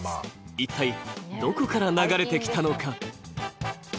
一体、どこから流れてきたのか？